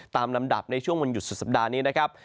ลำดับในช่วงวันหยุดสุดสัปดาห์นี้นะครับ